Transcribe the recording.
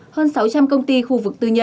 hơn sáu trăm linh công ty khu vực tư nhân